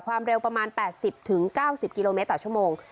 ความเร็วประมาณ๘๐๙๐กิโลเมตรต่อชั่วโมง